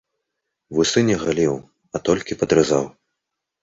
Вусы не галіў, а толькі падразаў.